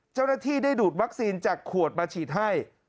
เจ้าหน้าที่ได้ดูดวัคซีนจากขวดมาฉีดให้